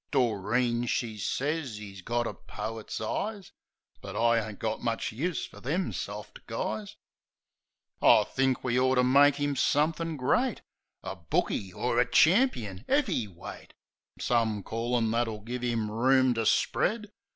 Doreen, she sez 'e's got a poit's eyes; But I ain't got much use fer them soft guys. THE KID 107 I think we ort to make 'im something great — A bookie, or a champeen 'eavy weight : Some callin' that'll give 'im room to spread.